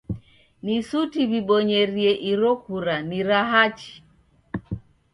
Ni suti w'ibonyerie iro kura ni ra hachi.